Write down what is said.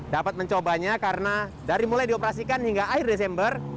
dapat mencobanya karena dari mulai dioperasikan hingga akhir desember